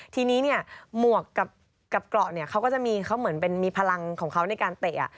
ทีนี้เนี่ยหมวกกับเกราะเนี่ยเขาก็จะมีเขาเหมือนเป็นมีพลังของเขาในการเตะ